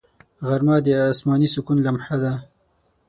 غرمه د آسماني سکون لمحه ده